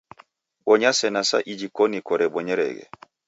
Bonya sena sa iji koni korebonyereghe